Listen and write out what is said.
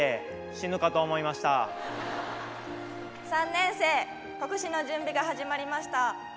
「３年生国試の準備が始まりました」。